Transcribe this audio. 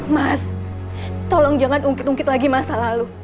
mas tolong jangan ungkit ungkit lagi masalah lu